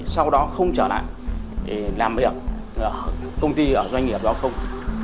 sau đó không trở lại để làm việc ở công ty ở doanh nghiệp đó không